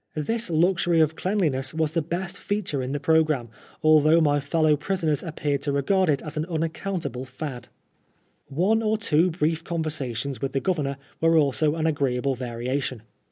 This luxury of cleanliness was the best feature in the programme, although my fellow prisoners appeared to regard it as an unaccount able fad. One or two brief converaations with the Governor were also an agreeable variation.